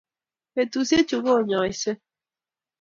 Betusiechu konyoisei